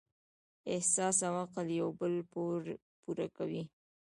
احساس او عقل یو بل پوره کوي.